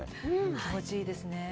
気持ちいいですね。